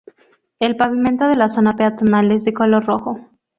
El pavimento de la zona peatonal es de color rojo.